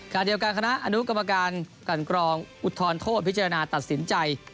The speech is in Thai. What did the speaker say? เดียวกันคณะอนุกรรมการกันกรองอุทธรณโทษพิจารณาตัดสินใจ